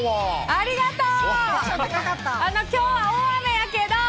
ありがとう。